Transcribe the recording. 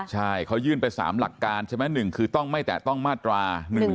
ใช่เขายื่นไป๓หลักการใช่ไหม๑คือต้องไม่แตะต้องมาตรา๑๑๒